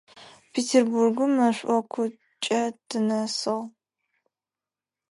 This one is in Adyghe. Петербургым мэшӏокукӏэ тынэсыгъ.